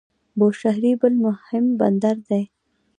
بوشهر بل مهم بندر دی.